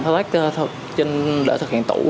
thái lách để thực hiện tủ